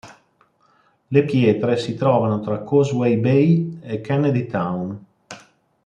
Le pietre si trovano tra Causeway Bay e Kennedy Town.